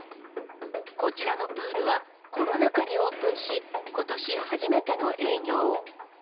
こちらのプールは、コロナ禍にオープンし、ことし初めての営業。